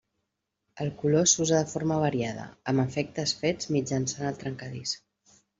El color s'usa de forma variada, amb efectes fets mitjançant el trencadís.